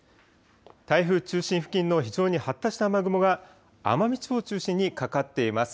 台風中心付近の非常に発達した雨雲が奄美地方を中心にかかってます。